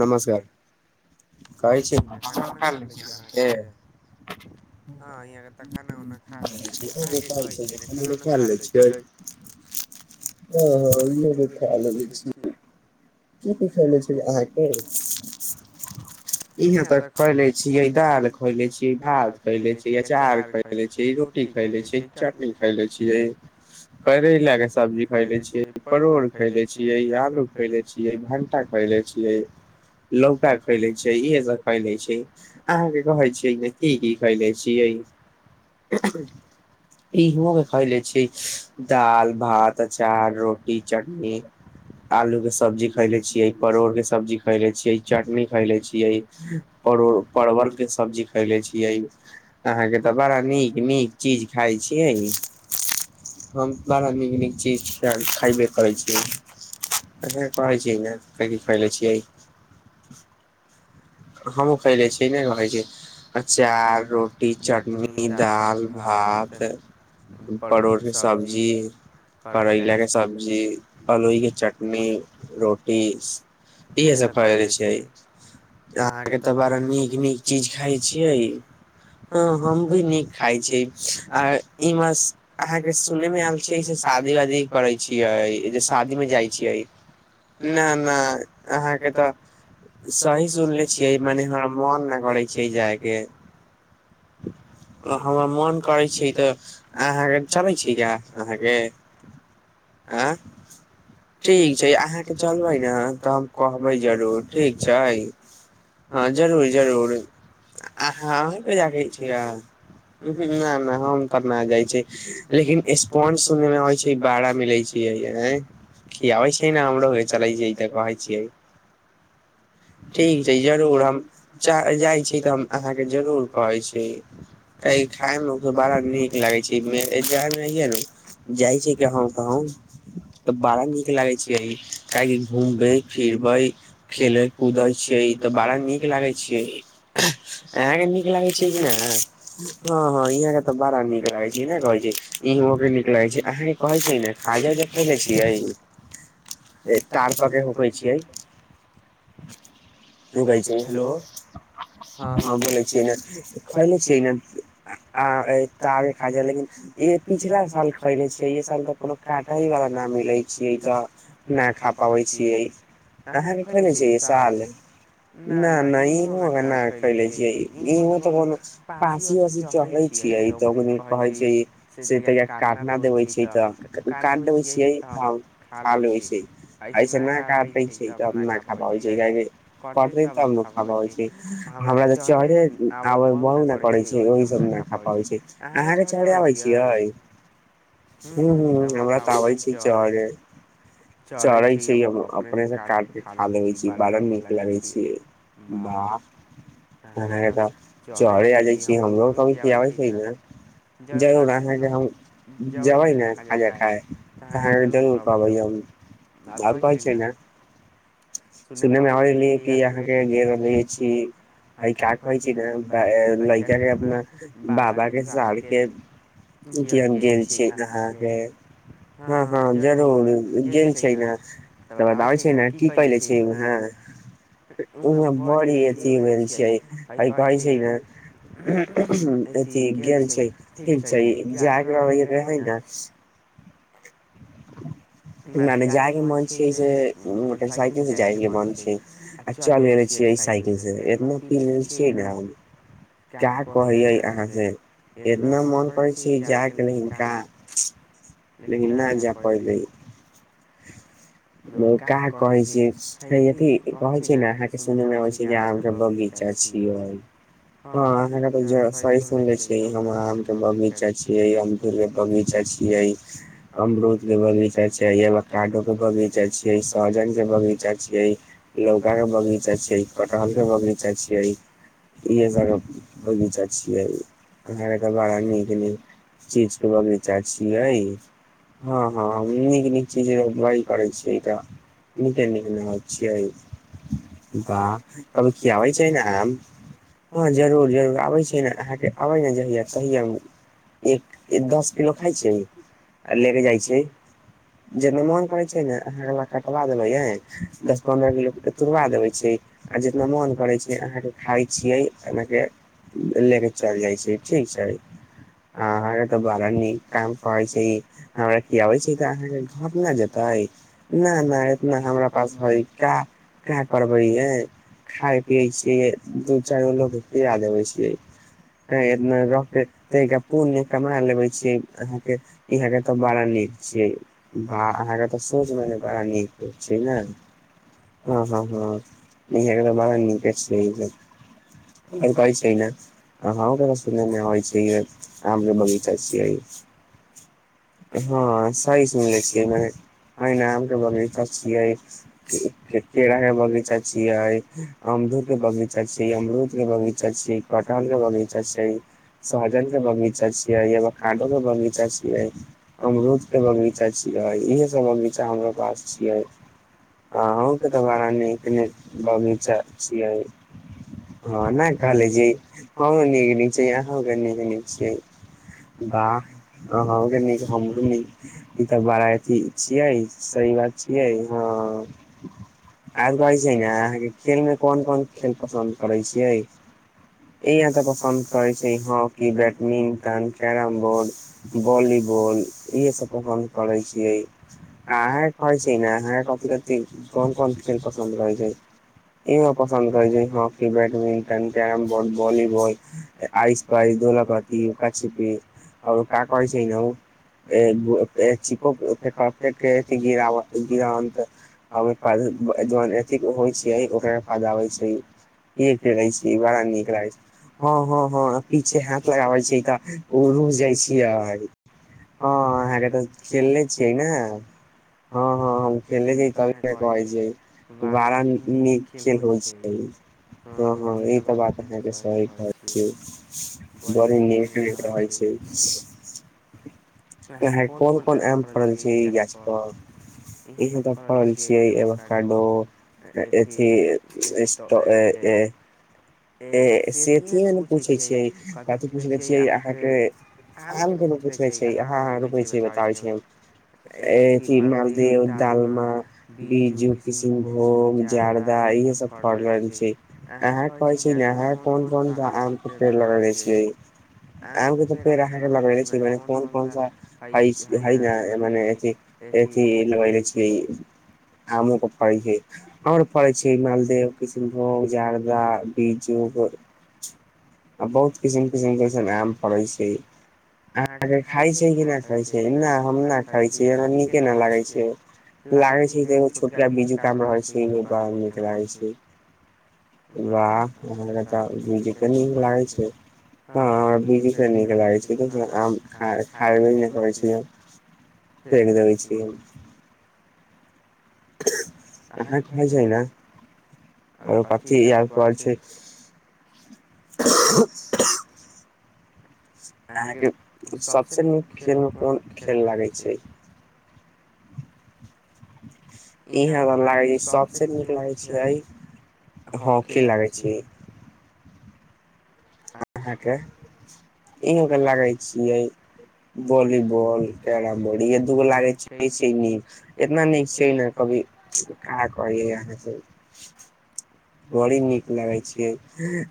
नमस्कार कहै छै न खाना उना खा लेने छी अहाँ के [unintelligible] हँ यहाँ तऽ खाना उना खा लेलेे छी अहाँके कहैत छी ने खाना उना खा लेने छियै हँ हँ इहो भी खा लेने छियै की पुछैने छेलै अहाँके इहे तऽ खैले छियै दाल खैले छियै भात खैले छी अँचाय खैले छियै रोटी टी खैले छियै चटनी खैले छियै करैल़ा के सब्जी खैले छियै परोड़ खैले छियै आलू खैले छियै छियै भंटा खयले छियै लौका खैले छियै इहे सब खैले छियै अहाँ के कहै छियै की की खयले छियै हु [inaudible] ऐं हं ई हममे खाइ ले छै दाल भात अचार रोटी चटनी आलूके सब्जी खैले छियै परोड़ के सब्जी खैले छियै चटनी खैले छियै परोड़ परवल के सब्जी खैले छियै अहाँके तऽ बड़ा नीक नीक चीज खाय छियै हम बड़ा नीक नीक चीज खयबे करै छीय कहै छियै ने क की खैले छियै हमहुँ खैले छियै नहि रहै छै अचार रोटी चटनी दाल भात भात परोड़ के सब्जी करइला के सब्जी आलहिके चटनी रोटी इहे सब खैले छियै आ अहाँके तऽ बड़ा नीक नीक चीज खाइ छियै हँ हम भी नीक खाय छी आ ई मास अहाँके सुने मे आयल छी शादी वादी करै छियै जे शादी मे जाइ छियै नहि नहि अहाँके तऽ सही सुनले छियै मने हमँ मन नहि करै छैय जायके [inaudible] हमर मोन करै छै तऽ अहाँके चलै छी गा अहाँके आँ ठीक छै अहाँके चलबै ने तऽ हम कहबै जरूर ठीक छै हँ जरूर जरूर आ हँ सय क - ऊहु ना ना हम तऽ न जाइ छी लेकिन स्पॉंज सुनै मे होइ छै बाड़ा मिलै छै कि आबै छै ने हमरो चलै छी ई त कहइ छी ठीक जईय जरूर हम चाह इ जाय छी तऽ हम अहाँके जरूर कहै छी एहि खायमे ओ सब बड़ा नीक लागैत छै जायमे हइयै ने जाइत छी कहूँ कहूँ ह [inaudible] तऽ बड़ा नीक लागे छै ई काहेकि घूमबे फिरबे खेले कूदैत छी ऐ त बड़ा नीक लागै छै आहा के नीक लागै छै ठिक न हँ हँ यहाँ के तऽ बड़ा नीक लागे छै ई नय कहे छी इंहो के नीक लागे छै कहै छै ने खाजा जे खैने छियै अइ तार क के होकै छियै त कहै छ हेलो हँ बोलै छीय खैले छै न आ ए तार के खाजा लेकिन ई पिछला साल खैले छै इ साल तऽ कोनो काटही वाला न मिलै छियै तऽ न खा पाबै छियै अहाँ के खोजय छी ई साल ना ना ई हो न कैले छिय ईहो कोनो पासी उासी चढ़ै छियै तऽ ओ कहै छै से त काटना देबै छै तऽ काट देबै छियै त हम खा लेबै छै ऐसे ना काटै छै तऽ न खा पाबै छै किया कि कटतै तबनु खवय छि हमरा त चढ़े आ बहु न करै छै ओहि स ना खा पाबै छै अहाँके चढ़े आबै छियै हू हू हमरा त आबय छी चढ़े चढ़े छी अपने से काट के खा लेबे छी बारा नी लगै छियै बाह लगई चढ़े आ जाइ छी हमरो कबो खिआबय छी ना जरुर आहा के हम जबै ने खाजा खाय तऽ अहाँ जरूर कहबै हम नहि कोच ने [inaudible] सुनने मे आबै कि अहाँके गेल रहल छी आ का कहै छी न हम लड़का के अपना बाबा के साड़ के इडियन गेल छी अहाँके हँ हँ जरूर गेल छै न त बादबै छै ने की कैले छै अहां ओहो बड़ी अथी भेल छिय आ कहै छै न हुँ हुँ अथी गेल छै ठीक छै जायक क है न [inaudible] [inaudible] मने जायके मोन छै से मोटरसाइकिलसँ जायके मोन छै आ चलि गेल छी छिय साइकिल से एतना पी लेल छियै ने हम क्या कहैै अहाँ से एतना मोन करै छै जायके न हिनका लेक ना जा पड़तै [inaudible] वो का कहै छी अथी कहै छै ने अहाँके सुनै मे अबै छै जे आम के बगीचा चाची होइ ह अहाँके त सही सुनले छी हम आम के बगीचा छिय अमदुर के बगीचा जाय छिय अमरुदके बगैचा छिय मे कडो के बगीचा छिये सहजन के बगीचा छीये लौका के बगीचा छियै कटहल के बगीचा छियै इहे सब बगीचा छियै हम तऽ बड़ा नीक नीक चीजके बगीचा छियै हँ हँ हमनी जे रबइ कर छै ईटा निक न न छै बाह तब की खियाबै छै ने आम हँ जरूर-जरूर आबै छि ने अहाँके आबै ने जहिया सहिया एक दस किलो खाइ छै आ ले के जाइ छै जेना मोन करैत छै ने अहाँके कटवा देबै ह दस पन्द्रह किलो तोड़बा देबै छै आ जेतना मोन करे छै अहाँके खाय छी चियै एना के ले के चल जाइ छै ठीक छै अहाँके तऽ बड़ा नीक काम कहै छै हमरा खियाबै छै अहा घट नै जेतै नहि नहि इतना हमरा पास हइ का का करबै यै खाय पियै छियै दू चारि गो लोक के खिया देबै छियै तै एतना रहतै तऽ एकटा पुण्य कमा लेबै छियै अहाँके इहाँ के तऽ बड़ा नीक से बा अहाँके तऽ सोंच माने बड़ा नीक होइ छै ने हँ हँ अहाके तो बड़ा निक [unintelligible] आओर कहै छै ने अहुँके सुनैमे आवै छै आम के बगीचा छियै [unintelligible] हँ सही सुनले छियै एहिना आम के बगीचा छियै केरा के बगीचा छियै धु कि बजै छि बगैचा छै अमरूद के बगीचा छीये कटहल के बगीचा छै सहजन के बगीचा छीये कादो के बगीचा छियै अमरूद के बगीचा बैगिचा छियै इहे सब बगीचा हमर पास छियै हँ अहुके तऽ बारा निक- निक बगिचा छियै हँ नहि कहलै छियै हमरो नीक नीक छ अहूँके नीक नीक छियै वाह अहोके निक हमरो निक ई तऽ बड़ा अथी छियै सही बात छियै हँ आर कहैत छै ने अहाँके खेलमे कोन कोन खेल पसन्द करैत छियै ई एता पसन्द कर छै hockey badminton carrom board volley volleyball इहे सब तऽ हम करै छियै अहाके कहै छियै ने अहा कथी कथी कोन कोन खेल पसन्द करै छियै इहो पर [unintelligible] पसन्द करै छियै hockey badminton carrom board volleyball आइस-पाइस धोलापाती लुका छिपी आओर का कहै छै न उ एगो जौन [unintelligible] होइ छियै ओकरा सजाबै छै केर छी बड़ा नीक लागै छै हँ हँ हँ पीछे हाथ लगाबै छै तऽ जाइ छियै हँ अहाके तऽ खेलनेे छियै ने हँ हँ हम खेलने छियै तभी न कहै छियै बड़ा नीक नीक खेल होइ छै हँ हँ ई तऽ बात अहाँके सही कहै छियै बड़ी नीक नीक रहै छियै [inaudible] अहाँ कोन कोन कौन आम फड़ल छै ई गाछ पर इहे तऽ फल छियै ए कडो तऽ [unintelligible] ई तऽ एस्टो ए ए [unintelligible] सेथी ने पूछै छियै कथी पूछले छियै अहाँ के आम के एगो नू पूछैने छै हँ हँ रूकै छियै बताबै छियै ए अथी मालदेय दालमा बिजू किशुनभोग जार्दा इहे सब फरल छै अहाँ कहैय छी न अहाँ कोन कोन सा आम के पेड़ लगैले छियै आम के तऽ पेड़ अहाँ के लगैले छियै मने कोन कोन सा हय हय ना मने एथि एथि लगैले छियै आमो के फड़ैछै आओर फड़ै छै मालदेव किशुनभोग जार्दा बीजू आ बहुत किसिम किसिम के एखन आम फड़ैत छै अहाँ के खाइत छियै कि नहि खाइत छियै ना हम नहि खाइ छियै हम नीके ना लागै छियै लागै छै एगो छोटक बीजू आम रहै छै बरा नीक लागै छै वाह ओ हमरा तऽ बीजु नीक लागै छै हँ हमरा बिजु तऽ नीक लागै छै तऽ आम खैबै नहि करै फेक देबै छियै अहाँ खाइ छै ना आ कथी याद परै छै अहं अह [inaudible] अहाँ के सभ सँ नीक खेलमे कोन खेल लागै छै इहे हमरा लागे छै सबसे नीक लागै छियै हँ खेल लागै छै अहाँ के इहो के लागै छियै वालीबॉल कैरम बोर्ड इहे दूगो लागे छै बेसि नीक इतना नीक छै ने कभी का कहि आहाँ के बड़ी नीक लागे छियै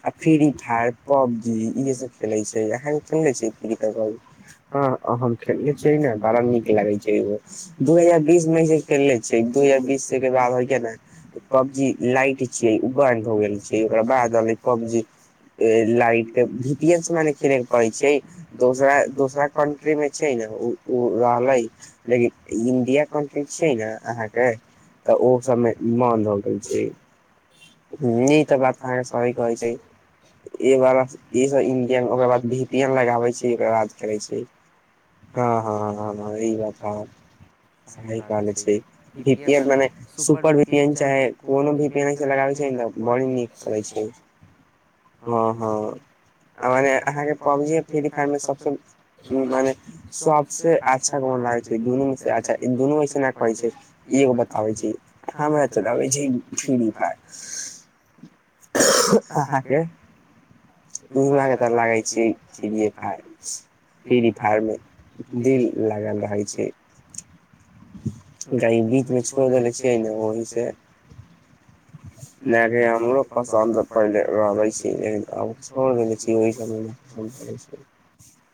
आ फ्रीफायर पबजी इहे सब खेलै छियै अहाँ अहाँ खेलने छियै फ्री फायर पबजी हँ हम खेलले छियै ने बड़ा नीक लागै छियै इहो दू हजार बीस मे जे खेलले छियै दू हजार बीस के बाद हो छै ने पबजी लाइट छियै ओ बन्द हो गेल छै ओकरा बाद एलै पब जी लाइट के भीपीस मने खेले के पड़ै छै दोसरा दोसरा कंट्री में छै ने देखो औ ओ रहलै लेकिन इंडिया कन्ट्री छियै ने अहाँ के तऽ ओ सभ मे बन्द हो गेल छै ने तऽ बात अहाँ सहि कहै छै ए बाला इह सभ इंडिया में ओकर बाद भीपीएन लगाबै छै ओकर बाद खेलै छै हँ हँ ह ह ई बताउ सही कहले छिय भीपिएन मने सुपर भीपएन चाहे कोनो भीपीएन लगाबै छै तऽ बड़ी नीक चलय छै हँ हँ मने अहाँ के पबजी आ फ्री फायर मे सबसे मने सबसे अच्छा कोन लागै छै दुनू मे अच्छा दुनू ऐसे नहि कहै छै ई एगो बताबे छैबै छै हमरा चलाबे छै फ्रि फायर अहाँ के उ अहाँ के तऽ लागै छै फ्रि फायर फ्री फायर मे दिल लागल रहै छै [inaudible] तऽ ई बीच मे छोड़ि देनेे छियै ने ओही से [inaudible] नहि हमरो पसन्द पहिले रहै छै लेकिन अब छोड़ि देने छियै ओहि सभमे कोई करय छै [inaudible]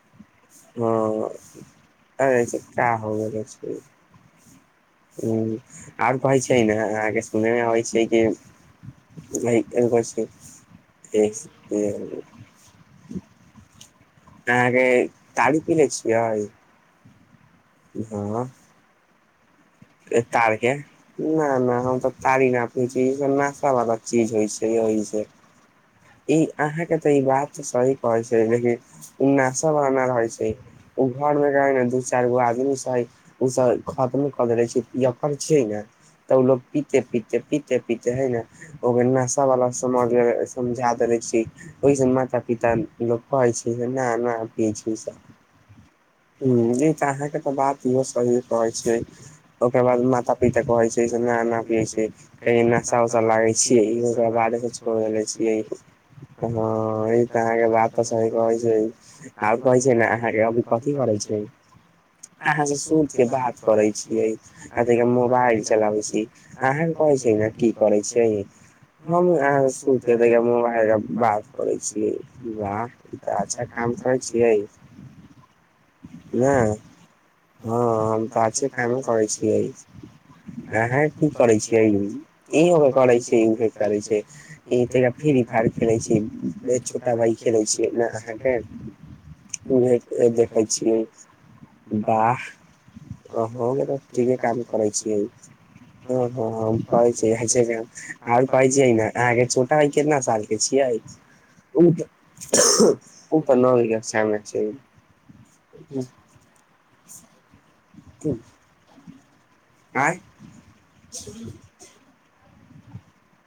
हँ अरे का हो गेल छै ह आर कहै छै ने अहाँके सुनैमे आबै छै कि ल ए को छै [unintelligible] [inaudible] अहाँके टाड़ि पीने छियै हँ तार के न नहि हम त ताड़ि ना पीयै छी ई सब नाशा वाला चीज होइ छै ओहि से ई अहाँके तऽ ई बात सही कहै छै लेकिन नशा बना रहै छै ओ घर मे रह दू चारि गो आदमीसहि उ सब खत्म हम तऽ नइ छी पियकर छै नाऽ तऽ उऽ लोक पीेते पीेते पीेते हई नऽ ओकर नासा वला समझ समझा देेले छै ओहिस माता पिता लोक कहे छै ना ना [unintelligible] ह ई तऽ अहाँ के तऽ बात इहो सही कहै छै ओकर बाद माता पिता कहै छै ना ना अभी एसे कहिं नशा उशा लागै छियै ओकरा बादे से छोड़ देले छियै हँ ई तऽ अहाँके बात तऽ सही कहै छै आब कहै छै ने अहाँके अभी क की करै छै अहाँ से सुति के बात करय छियै आ देखियौ मोबाइल चलाबै छी अहाँ के क छै नै की करै छै हम अहाँ के सुति के देखियौ मोबाइल बात करे छियै वाह ई त अच्छा ख काम करय छियै [inaudible] नहि हँ हम तऽ अच्छे कामो करै छियै अहे की करै छियै ई करै छैे करै छै तऽ फिर फ्रि फायर खेलै छी छोटा भाई खेले छै ने अहाँके उहे देखै छियै वाह आ हो गेलै तीनेटा मे करय छियै ओ हो हो हम कहै छिय आओर कहै छीये नऽ आहाँके छोटा भाई कितना साल छिय [unintelligible] ओ ऊ प न लग समे छै [unintelligible] [inaudible] [inaudible] आय